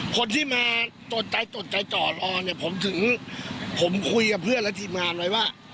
คนที่มาจดใจจดใจจ่อรอเนี่ยผมถึงผมคุยกับเพื่อนและทีมงานไว้ว่า